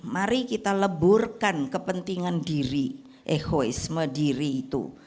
mari kita leburkan kepentingan diri egoisme diri itu